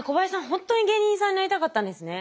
本当に芸人さんになりたかったんですね。